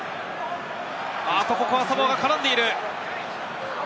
ここはサモアが絡んでいる。